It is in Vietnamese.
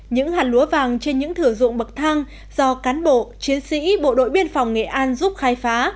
những hạt lúa vàng trên những thửa ruộng bậc thang do cán bộ chiến sĩ bộ đội biên phòng nghệ an giúp khai phá